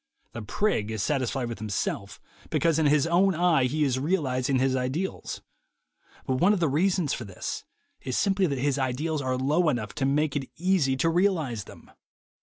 The prig is satisfied with himself because in his own eye he is realizing his ideals; but one of the reasons for this is simply that his ideals are low enough to make it easy to realize them.